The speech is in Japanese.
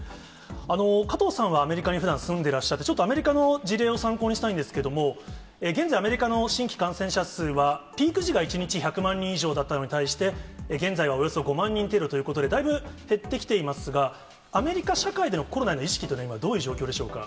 加藤さんはアメリカにふだん、住んでらっしゃって、ちょっとアメリカの事例を参考にしたいんですけれども、現在、アメリカの新規感染者数は、ピーク時が１日１００万人以上だったのに対して、現在はおよそ５万人程度ということで、だいぶ減ってきていますが、アメリカ社会でのコロナへの意識というのは、どういう状況でしょ